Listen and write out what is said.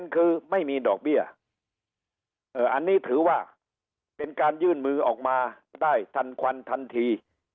คือไม่มีดอกเบี้ยอันนี้ถือว่าเป็นการยื่นมือออกมาได้ทันควันทันที